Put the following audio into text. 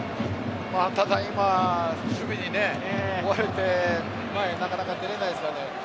ただ、今は守備に追われて前になかなか出れないですから。